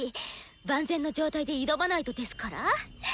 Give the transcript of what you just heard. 万全の状態で挑まないとですから！